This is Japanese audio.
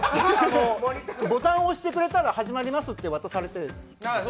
ボタンを押してくれたら始まりますって渡されて。